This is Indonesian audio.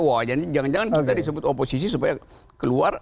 wah jangan jangan kita disebut oposisi supaya keluar